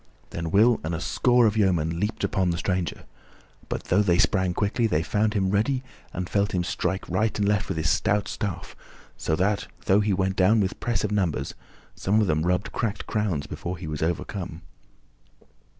Then Will and a score of yeomen leaped upon the stranger, but though they sprang quickly they found him ready and felt him strike right and left with his stout staff, so that, though he went down with press of numbers, some of them rubbed cracked crowns before he was overcome.